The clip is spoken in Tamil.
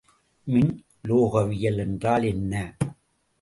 மின் உலோகவியல் என்றால் என்ன?